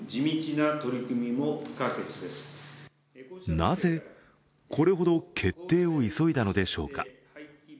なぜ、これほど決定を急いだのでしょうか。